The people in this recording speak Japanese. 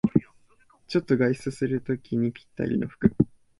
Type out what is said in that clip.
ちょっと外出するときにぴったりの服